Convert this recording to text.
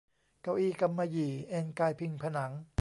เก้าอี้กำมะหยี่เอนกายพิงผนัง